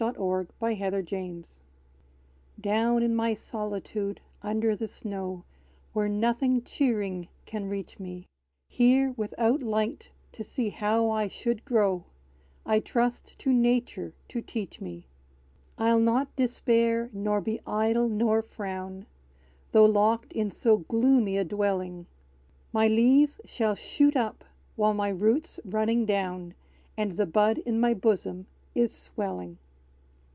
=The Crocus' Soliloquy= Down in my solitude, under the snow, Where nothing cheering can reach me Here, without light to see how I should grow, I trust to nature to teach me. I'll not despair, nor be idle, nor frown; Though locked in so gloomy a dwelling! My leaves shall shoot up, while my root's running down, And the bud in my bosom is swelling.